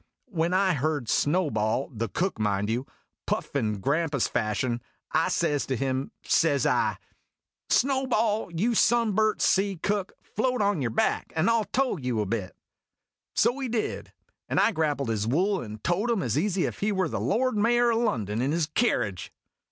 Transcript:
2l8 IMAGINOTIONS When I heard Snowball (the Cook, you mind) puffing grampus fashion, I says to him, says I :" Snowball, you sunburnt sea cook, float on your back and I '11 tow you a bit." So he did, and I grappled his wool and towed him as easy as if he were the Lord Mayor o' London in his kerridge.